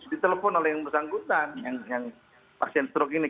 ditelepon oleh yang bersangkutan yang pasien stroke ini